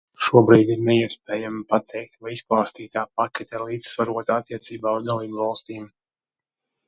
Šobrīd ir neiespējami pateikt, vai izklāstītā pakete ir līdzsvarota attiecībā uz dalībvalstīm.